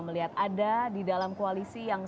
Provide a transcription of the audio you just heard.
melihat ada di dalam koalisi yang